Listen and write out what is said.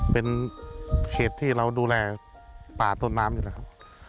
เป็นเขตที่เราดูแลป่าต้นน้ำอยู่นะครับ